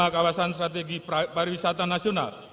kawasan strategi pariwisata nasional